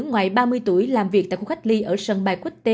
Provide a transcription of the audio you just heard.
ngoài ba mươi tuổi làm việc tại khu cách ly ở sân bay quốc tế